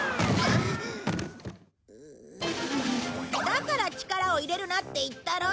だから力を入れるなって言ったろ！